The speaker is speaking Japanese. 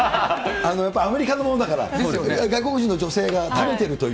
やっぱりアメリカのものだから、外国人の女性が食べてるという。